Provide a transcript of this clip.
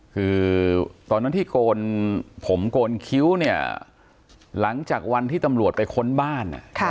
คือตอนนั้นที่โกนผมโกนคิ้วเนี่ยหลังจากวันที่ตำรวจไปค้นบ้าน